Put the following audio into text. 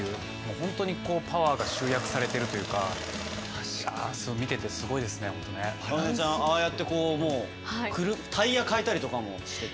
本当にパワーが集約されているというか見ていてすごいですね、本当に。ああやってタイヤを替えたりとかもしていて。